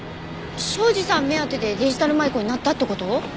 庄司さん目当てでデジタル舞子になったって事？